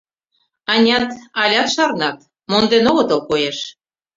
Анят, алят шарнат, монден огытыл, коеш.